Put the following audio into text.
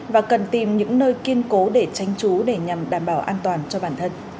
và cần tìm những nơi kiên cố để tránh trú để nhằm đảm bảo an toàn cho bản thân